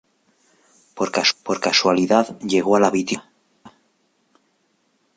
Por casualidad llegó a la viticultura.